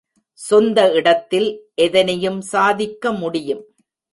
சொந்த இடத்தில் எதனையும் சாதிக்க முடியும்.